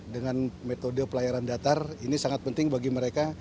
dengan metode pelayaran datar ini sangat penting bagi mereka